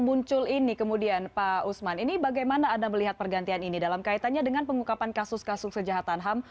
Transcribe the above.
muncul ini kemudian pak usman ini bagaimana anda melihat pergantian ini dalam kaitannya dengan pengungkapan kasus kasus kejahatan ham